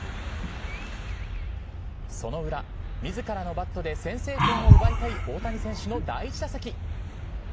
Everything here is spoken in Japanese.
その裏、自らのバットで先制点を奪いたい大谷選手の第１打席。